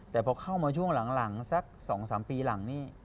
แต่พอเข้ามาช่วงหลังสัก๒๓ปีหลังนี่